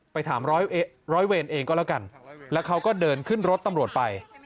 ไปถามร้อยร้อยเวรเองก็แล้วกันแล้วเขาก็เดินขึ้นรถตำรวจไป